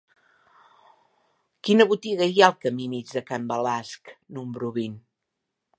Quina botiga hi ha al camí Mig de Can Balasc número vint?